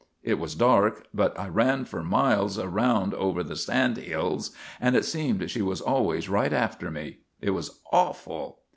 It was dark but I ran for miles around over the sandhills and it seemed she was always right after me. It was awful.